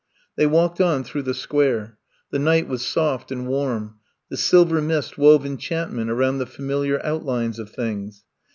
They walked on through the Square. The night was soft and warm. The silver mist wove enchantment around the familiar outlines of things.